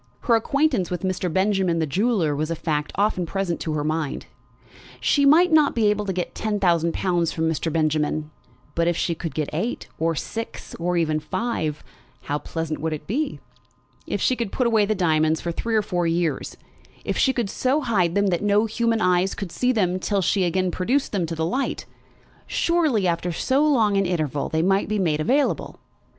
Her acquaintance with Mr. Benjamin, the jeweller, was a fact often present to her mind. She might not be able to get ten thousand pounds from Mr. Benjamin; but if she could get eight, or six, or even five, how pleasant would it be! If she could put away the diamonds for three or four years, if she could so hide them that no human eyes could see them till she should again produce them to the light, surely, after so long an interval, they might be made available!